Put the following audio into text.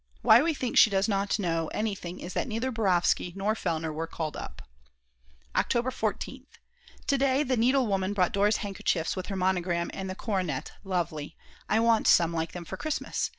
Why we think she does not know anything is that neither Borovsky nor Fellner were called up. October 14th. To day the needlewoman brought Dora's handkerchiefs with her monogram and the coronet, lovely; I want some like them for Christmas.